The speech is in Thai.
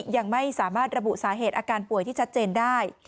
ยังไม่สามารถระบุสาเหตุอาการป่วยที่ชัดเจนได้